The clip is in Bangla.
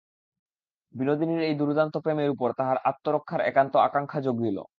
বিনোদিনীর এই দুর্দান্ত প্রেমের উপরে তাহার আত্মরক্ষার একান্ত আকাঙ্ক্ষা যোগ দিল।